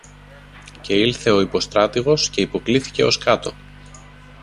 Και ήλθε ο υποστράτηγος και υποκλίθηκε ως κάτω.